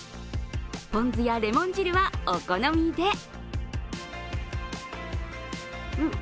ポン酢やレモン汁はお好みで。